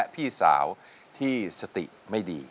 พี่สาวที่สติไม่ดี